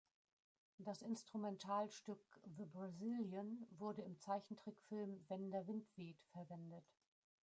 Das Instrumentalstück "The Brazilian" wurde im Zeichentrickfilm "Wenn der Wind weht" verwendet.